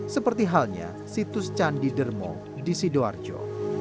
seperti halnya situs candi dermo di sidoarjo